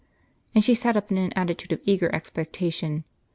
" And she sat up in an atti tude of eager expectation.